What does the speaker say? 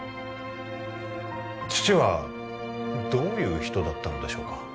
父はどういう人だったのでしょうか？